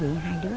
rồi khi đi đi đó